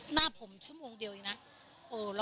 หน้าผมชั่วโมงเดียวเองนะ